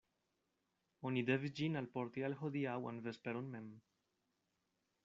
Oni devis ĝin alporti la hodiaŭan vesperon mem.